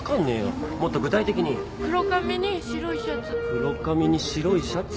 黒髪に白いシャツ。